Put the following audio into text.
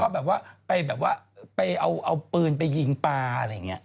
แบบว่าไปแบบว่าไปเอาปืนไปยิงปลาอะไรอย่างนี้